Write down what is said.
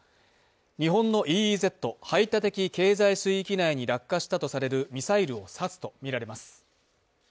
日本のＥＥＺ＝排他的経済水域内に落下したとされるミサイルを指すとみられます。